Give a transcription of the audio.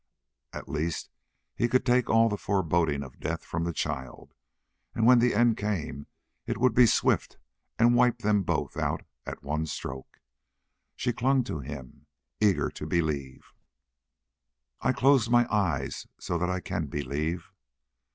At least he could take all the foreboding of death from the child, and when the end came it would be swift and wipe them both out at one stroke. She clung to him, eager to believe. "I've closed my eyes so that I can believe."